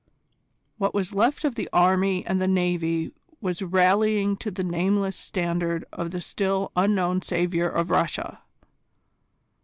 What was left of the army and the navy was rallying to the nameless standard of the still unknown saviour of Russia.